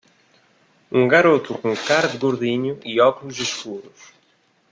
Um garoto com cara de gordinho e óculos escuros.